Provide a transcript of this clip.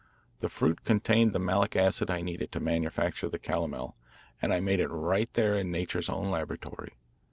The fruit contained the malic acid I needed to manufacture the calomel, and I made it right there in nature's own laboratory.